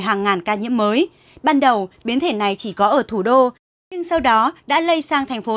hàng ngàn ca nhiễm mới ban đầu biến thể này chỉ có ở thủ đô nhưng sau đó đã lây sang thành phố